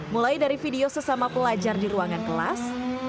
mulai dari video sesama pelajar di ruangan kelas